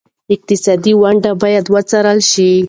اقتصادي ونډه باید وڅېړل شي.